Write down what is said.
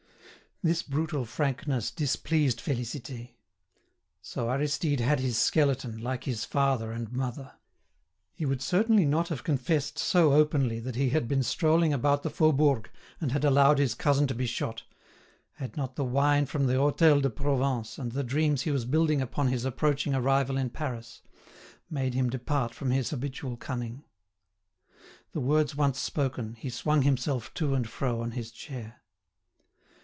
This brutal frankness displeased Félicité. So Aristide had his skeleton, like his father and mother. He would certainly not have confessed so openly that he had been strolling about the Faubourg and had allowed his cousin to be shot, had not the wine from the Hôtel de Provence and the dreams he was building upon his approaching arrival in Paris, made him depart from his habitual cunning. The words once spoken, he swung himself to and fro on his chair.